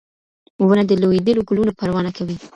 ونه د لوېدلو ګلونو پروا نه کوي.